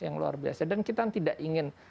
yang luar biasa dan kita tidak ingin